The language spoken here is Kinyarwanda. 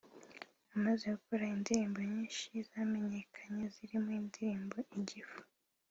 amaze gukora indirimbo nyinshi zamenyekanye zirimo indirimbo “Igifu”